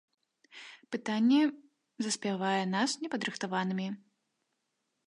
Пытанне заспявае нас непадрыхтаванымі.